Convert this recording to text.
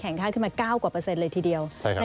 แข่งค่าขึ้นมา๙กว่าเปอร์เซ็นต์เลยทีเดียว